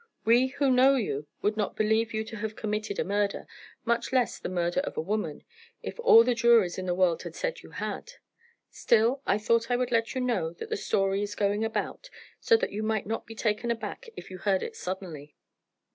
We who know you would not believe you to have committed a murder, much less the murder of a woman, if all the juries in the world had said you had. Still I thought I would let you know that the story is going about, so that you might not be taken aback if you heard it suddenly.